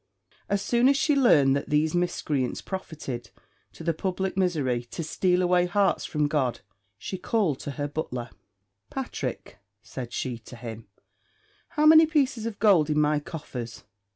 As soon as she learned that these miscreants profited to the public misery to steal away hearts from God, she called to her butler. "Patrick," said she to him, "how many pieces of gold in my coffers?"